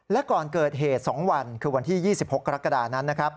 และก่อนเกิดเหตุ๒วันคือวันที่๒๖กรกฎานั้นนะครับ